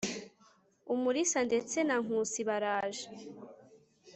umulisa ndetse na nkusi baraje